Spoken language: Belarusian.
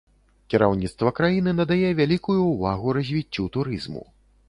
Кіраўніцтва краіны надае вялікую ўвагу развіццю турызму.